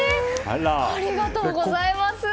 ありがとうございます。